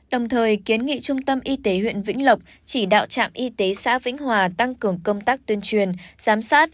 bệnh viện vĩnh lộc chỉ đạo trạm y tế xã vĩnh hòa tăng cường công tác tuyên truyền giám sát